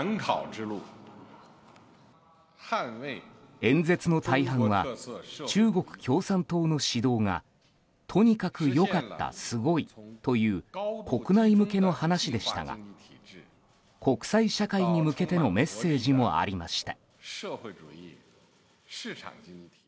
演説の大半は中国共産党の指導がとにかく良かったすごいという国内向けの話でしたが国際社会に向けてのメッセージもありました。